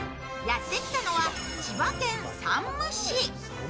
やってきたのは千葉県山武市。